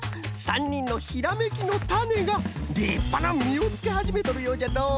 ３にんのひらめきのタネがりっぱなみをつけはじめとるようじゃのう。